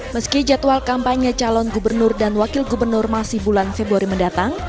meski jadwal kampanye calon gubernur dan wakil gubernur masih bulan februari mendatang